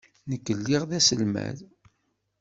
Nekk lliɣ d aselmad.